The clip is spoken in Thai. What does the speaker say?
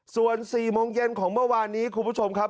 ส่วน๔โมงเย็นของเมื่อวานนี้คุณผู้ชมครับ